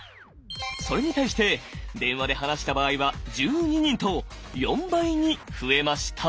それに対して電話で話した場合は１２人と４倍に増えました。